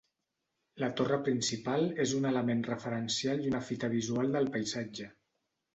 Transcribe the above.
La torre principal és un element referencial i una fita visual del paisatge.